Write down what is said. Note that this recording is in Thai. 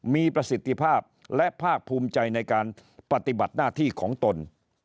มีประสิทธิภาพและภาคภูมิใจในการปฏิบัติหน้าที่ของตน